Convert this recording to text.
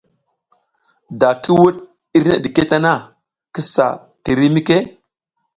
Da ki wuɗ irne ɗike tana, kisa tir mike.